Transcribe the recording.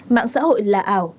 mạng xã hội là ảo